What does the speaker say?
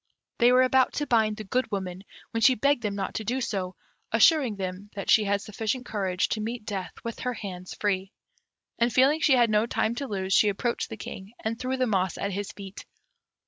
They were about to bind the Good Woman, when she begged them not to do so, assuring them that she had sufficient courage to meet death with her hands free; and, feeling she had no time to lose, she approached the King, and threw the moss at his feet.